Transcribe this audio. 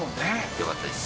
よかったです。